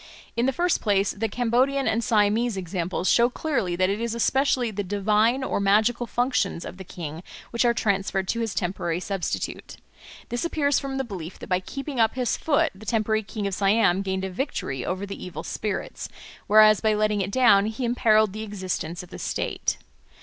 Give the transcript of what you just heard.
In the first place, the Cambodian and Siamese examples show clearly that it is especially the divine or magical functions of the king which are transferred to his temporary substitute. This appears from the belief that by keeping up his foot the temporary king of Siam gained a victory over the evil spirits, whereas by letting it down he imperilled the existence of the state.